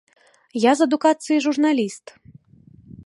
Я з адукацыі журналіст.